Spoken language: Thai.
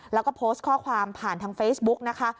แล้วก็โพสต์ข้อความผ่านทางเฟซบุ๊กนะคะ